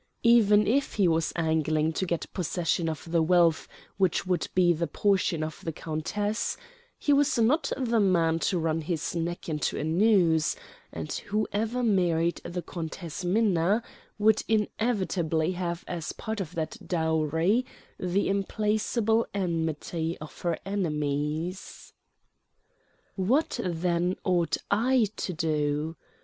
Even if he was angling to get possession of the wealth which would be the portion of the countess, he was not the man to run his neck into a noose: and whoever married the Countess Minna would inevitably have as part of that dowry the implacable enmity of her enemies. What, then, ought I to do?